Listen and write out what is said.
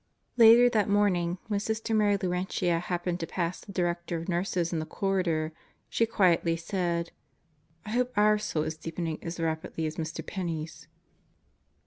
... Later that morning, when Sister Mary Laurentia happened to pass the Director of Nurses in the corridor, she quietly said, "I hope our soul is deepening as rapidly as Mr. Penney's."